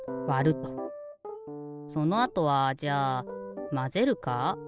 そのあとはじゃあまぜるか？